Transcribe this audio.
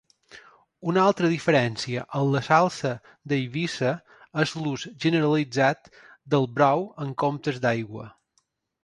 Una altra diferència amb la salsa d'Eivissa és l'ús generalitzat del brou en comptes d'aigua.